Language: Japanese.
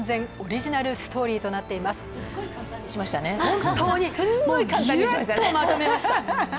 本当にギュッと簡単にまとめました。